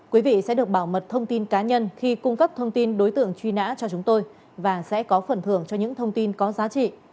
quý vị sẽ được bảo mật thông tin cá nhân khi cung cấp thông tin đối tượng truy nã cho chúng tôi và sẽ có phần thưởng cho những thông tin có giá trị